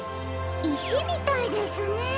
いしみたいですね。